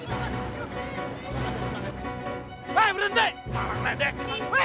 hai anak berhenti eh balik lupa lupanya